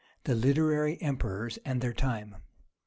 THE LITERARY EMPERORS AND THEIR TIME.